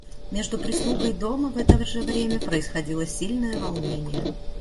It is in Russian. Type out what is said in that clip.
Между прислугой дома в это же время происходило сильное волнение.